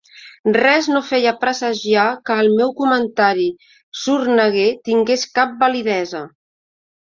Res no feia presagiar que el meu comentari sorneguer tingués cap validesa.